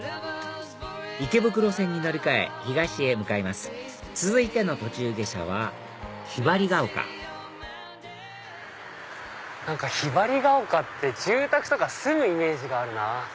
池袋線に乗り換え東へ向かいます続いての途中下車はひばりヶ丘ひばりヶ丘って住宅とか住むイメージがあるなぁ。